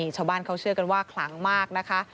ชาวบ้านเขาเชื่อกันว่าคลังมากนะคะ